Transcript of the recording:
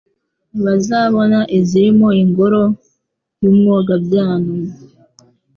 Ntibazabona izirimo Ingoro y' Umwogabyano !